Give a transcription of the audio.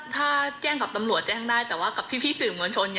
ถ้าแจ้งกับตำรวจแจ้งได้แต่ว่ากับพี่สื่อมวลชน